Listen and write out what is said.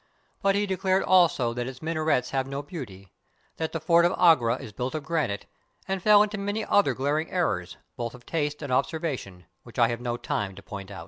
but he declared also that its minarets have no beauty, that the Fort of Agra is built of granite, and fell into many other glaring errors, both of taste and obser\ ation, which I have no time to point out.